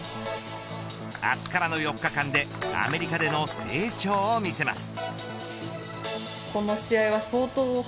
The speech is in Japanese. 明日からの４日間でアメリカでの成長を見せます。